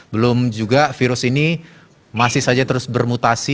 belum juga virus ini masih saja terus bermutasi